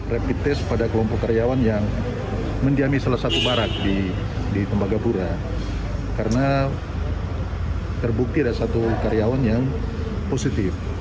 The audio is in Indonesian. rapid test pada kelompok karyawan yang mendiami salah satu barak di tembagapura karena terbukti ada satu karyawan yang positif